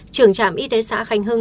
trưởng trạm y tế xã khánh hưng